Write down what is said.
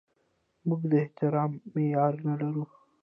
موږ د احترام معیار نه لرو.